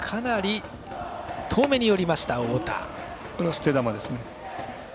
捨て球ですね。